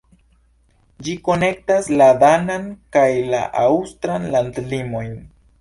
Ĝi konektas la danan kaj la aŭstran landlimojn.